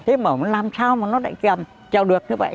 thế mà ông ấy làm sao mà nó lại chào được như vậy